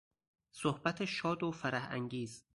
صحبت شاد و فرحانگیز